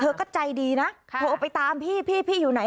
เธอก็ใจดีนะโทรไปตามพี่พี่อยู่ไหน